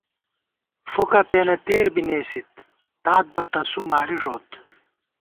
فُوکہ پېنہ تېربِی نېسِت ، تات بہ تسُو ماری ݫُوت